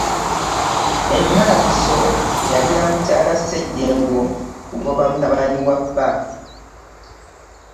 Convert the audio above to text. Emmanduso yali ya mukyala Sejjengo kugoba mutabani wa bba.